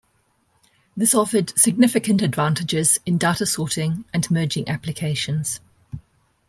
This offered significant advantages in data sorting and merging applications.